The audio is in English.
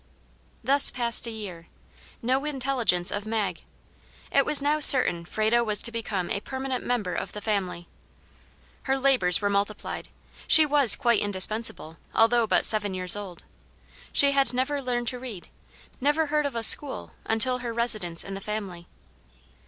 Thus passed a year. No intelligence of Mag. It was now certain Frado was to become a permanent member of the family. Her labors were multiplied; she was quite indispensable, although but seven years old. She had never learned to read, never heard of a school until her residence in the family.